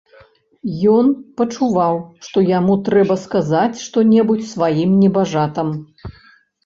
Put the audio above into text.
Ён пачуваў, што яму трэба сказаць што-небудзь сваім небажатам.